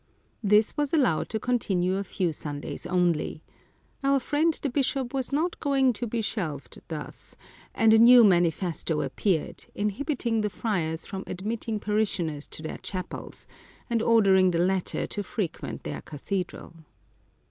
This was allowed to continue a few Sundays only. Our friend the bishop was not going to be shelved thus, and a new manifesto appeared, inhibiting the friars from admitting parishioners to their chapels, and ordering the latter to frequent their cathedral.